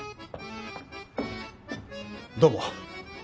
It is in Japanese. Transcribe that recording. どうも。